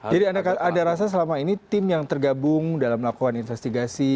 jadi anda ada rasa selama ini tim yang tergabung dalam melakukan investigasi